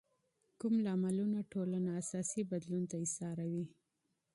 کوم عامل ټولنه اساسي بدلون ته مجبوروي؟